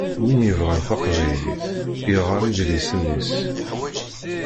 Win yebɣan taqbaylit, iɣeṛ idlisen-is.